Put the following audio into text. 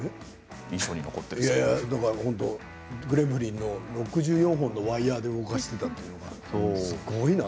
「グレムリン」６４本のワイヤーで動かしていたの、すごいな。